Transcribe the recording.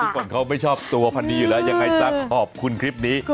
พี่ฝนเขาไม่ชอบสั่วพันธุ์ดีอยู่แล้วยังไงจังขอบคุณคลิปนี้